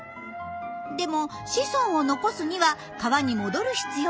でも子孫を残すには川に戻る必要があります。